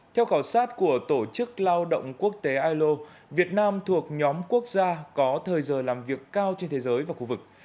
theo khảo sát của tổ chức lao động quốc tế ilo việt nam thuộc nhóm quốc gia có thời giờ làm việc cao trên thế giới và khu vực